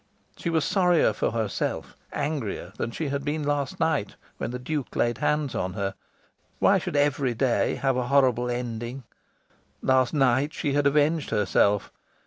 She was sorrier for herself, angrier, than she had been last night when the Duke laid hands on her. Why should every day have a horrible ending? Last night she had avenged herself.